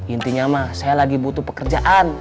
intinya mah saya lagi butuh pekerjaan